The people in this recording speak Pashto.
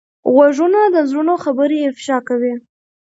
غوږونه د زړونو خبرې افشا کوي